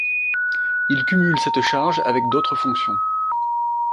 Il cumule cette charge avec d'autres fonctions.